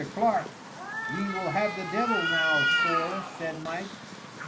Clark, ye will have the devil now, sorr," said Mike.